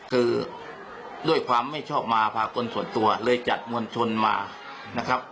คือด้วยความไม่ชอบมาพากลส่วนตัวเลยจัดมวลชนมานะครับ